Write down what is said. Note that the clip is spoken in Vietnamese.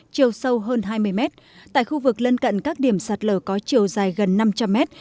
chiều sâu hơn hai mươi mét tại khu vực lân cận các điểm sạt lở có chiều dài gần năm trăm linh mét